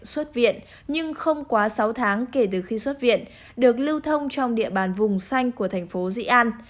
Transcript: xuất viện nhưng không quá sáu tháng kể từ khi xuất viện được lưu thông trong địa bàn vùng xanh của thành phố dị an